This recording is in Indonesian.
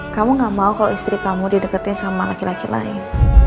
kamu gak mau kalau istri kamu didekatin sama laki laki lain